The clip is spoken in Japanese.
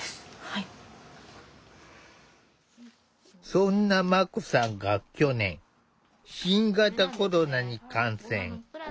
そんなまこさんが去年新型コロナに感染。